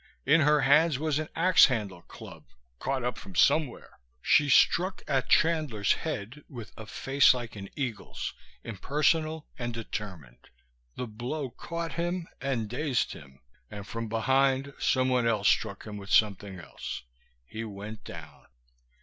In her hands was an axe handle club caught up from somewhere. She struck at Chandler's head, with a face like an eagle's, impersonal and determined. The blow caught him and dazed him, and from behind someone else struck him with something else. He went down.